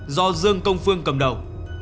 do dương công phương cầm đầu